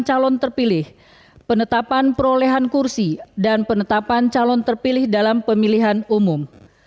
calon terpilih penetapan perolehan kursi dan penetapan calon terpilih dalam pemilihan umum